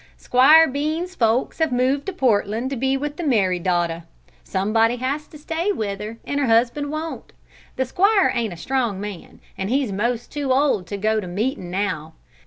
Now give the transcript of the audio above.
"'Squire Bean's folks have moved to Portland to be with the married daughter. Somebody has to stay with her, and her husband won't. The 'Squire ain't a strong man, and he's most too old to go to meetin' now.